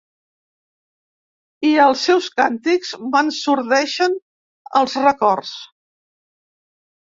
I els seus càntics m’ensordeixen els records.